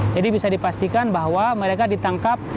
jadi bisa dipastikan bahwa mereka ditangkap